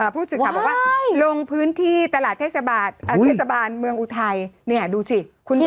พูดสิทธิ์คำว่าว่าลงพื้นที่ตลาดเทศบาลเมืองอุทัยเนี่ยดูสิคุณดู